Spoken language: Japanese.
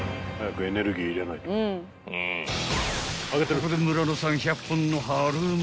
［ここで村野さん］